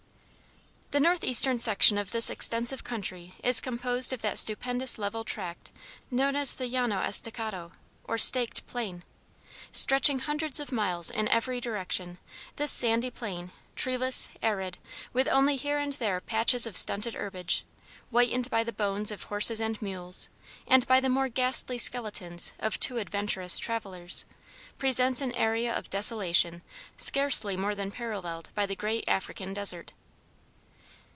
The northeastern section of this extensive country is composed of that stupendous level tract known as the "Llano Estacado," or "Staked Plain." Stretching hundreds of miles in every direction, this sandy plain, treeless, arid, with only here and there patches of stunted herbage, whitened by the bones of horses and mules, and by the more ghastly skeletons of too adventurous travelers, presents an area of desolation scarcely more than paralleled by the great African Desert.